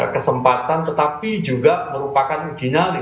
kesempatan tetapi juga merupakan uji nyali